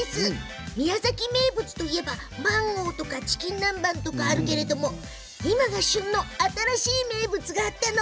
宮崎名物といえばマンゴーとかチキン南蛮とかあるけれども今が旬の新しい名物があったの。